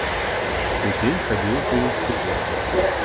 Удзень хадзіў у інстытут.